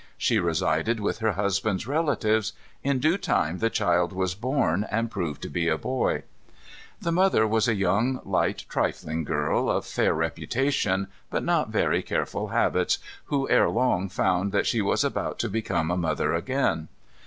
She resided with her husband's relatives. In due time the child was born, and proved to be a boy. The mother was a young, light, trifling girl, of fair reputation, and not very careful habits, who ere long found that she was about to become a mother again.